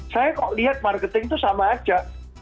saya lihat marketing itu sama saja